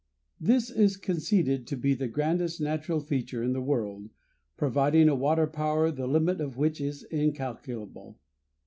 This is conceded to be the grandest natural feature in the world, providing a water power the limit of which is incalculable.